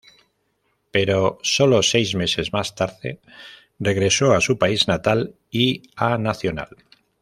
Pero solo seis meses más tarde regresó a su país natal y a Nacional.